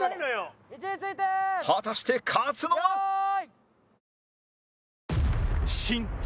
果たして勝つのは？